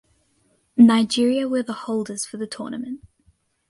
Nigeria were the holders for the tournament.